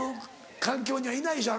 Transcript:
環境にはいないでしょ？